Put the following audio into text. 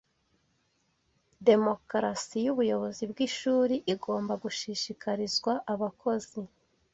demokarasi yubuyobozi bwishuri igomba gushishikarizwa abakozi